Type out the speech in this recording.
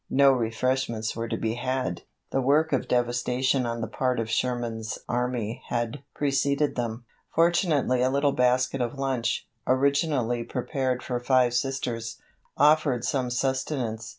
No refreshments were to be had. The work of devastation on the part of Sherman's army had preceded them. Fortunately a little basket of lunch, originally prepared for five Sisters, offered some sustenance.